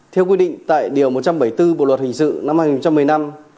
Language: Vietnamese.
theo quy định tại điều một trăm bảy mươi bốn bộ luật hình sự năm hai nghìn một mươi năm